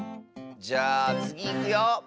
じゃあつぎいくよ。